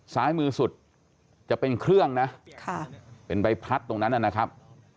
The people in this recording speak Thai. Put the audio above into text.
ซ้ายมือสุดจะเป็นเครื่องนะเป็นใบพลัดตรงนั้นนะครับ